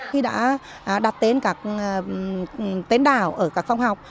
khi đã đặt tên các tên đảo ở các phong học